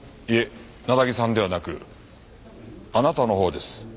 いえなだぎさんではなくあなたのほうです。